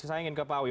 saya ingin ke pak awi